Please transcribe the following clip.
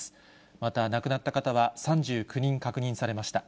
また亡くなった方は３９人確認されました。